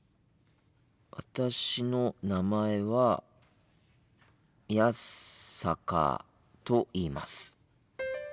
私の名前は宮坂と言います。